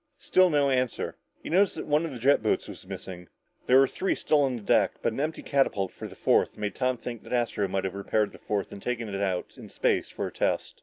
Still no answer. He noticed that one of the jet boats was missing. There were three still on the deck, but an empty catapult for the fourth made Tom think that Astro might have repaired the fourth and taken it out in space for a test.